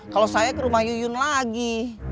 kalau saya ke rumah yuyun lagi